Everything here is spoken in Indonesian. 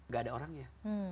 gak ada orangnya